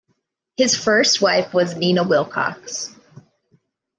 His first wife was Nina Wilcox.